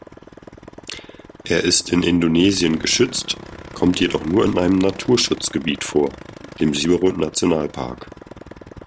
Er ist in Indonesien geschützt, kommt jedoch nur in einem Naturschutzgebiet vor, dem Siberut-Nationalpark.